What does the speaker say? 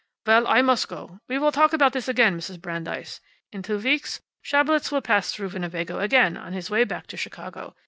"Well, I must go. We will talk about this again, Mrs. Brandeis. In two weeks Schabelitz will pass through Winnebago again on his way back to Chicago.